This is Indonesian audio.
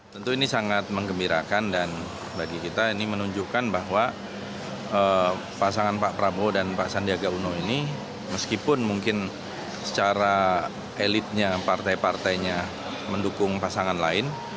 tentu ini sangat mengembirakan dan bagi kita ini menunjukkan bahwa pasangan pak prabowo dan pak sandiaga uno ini meskipun mungkin secara elitnya partai partainya mendukung pasangan lain